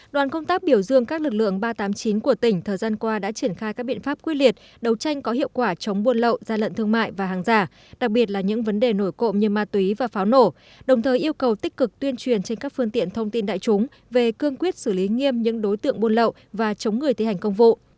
đoàn công tác biểu dương các lực lượng ba trăm tám mươi chín của tỉnh thời gian qua đã triển khai các biện pháp quyết liệt đấu tranh có hiệu quả chống buôn lậu gian lận thương mại và hàng giả đặc biệt là những vấn đề nổi cộng như ma túy và pháo nổ đồng thời yêu cầu tích cực tuyên truyền trên các phương tiện thông tin đại chúng về cương quyết xử lý nghiêm những đối tượng buôn lậu và chống người thi hành công vụ